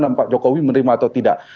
dan pak jokowi menerima atau tidak